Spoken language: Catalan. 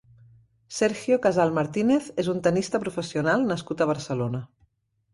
Sergio Casal Martínez és un tennista professional nascut a Barcelona.